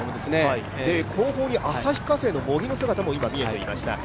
後方に旭化成の茂木の姿が今、見えていました。